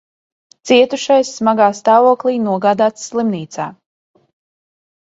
Cietušais smagā stāvoklī nogādāts slimnīcā.